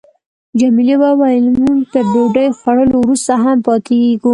جميلې وويل: موږ تر ډوډۍ خوړلو وروسته هم پاتېږو.